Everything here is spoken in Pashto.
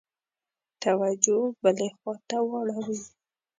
توجه بلي خواته واړوي.